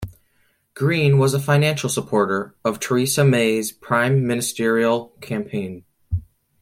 Green was a financial supporter of Theresa May's prime ministerial campaign.